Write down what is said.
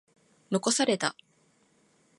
残された。